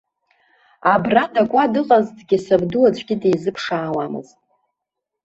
Абра дакуа дыҟазҭгьы сабду аӡәгьы дизыԥшаауамызт.